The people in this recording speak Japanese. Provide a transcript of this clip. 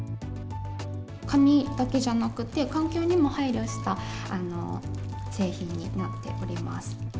髪だけじゃなくて、環境にも配慮した製品になっております。